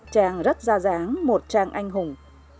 chàng rất gia giáng một chàng anh hùng